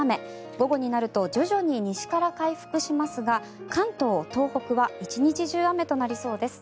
午後になると徐々に西から回復しますが関東、東北は一日中雨となりそうです。